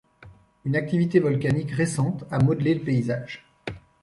Une activité volcanique récente a modelé le paysage.